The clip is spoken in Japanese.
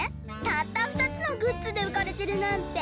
たったふたつのグッズでうかれてるなんて。